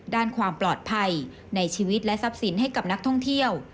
ด้านความปลอดภัยในชีวิตและทรัพย์สินให้กับนักท่องเที่ยว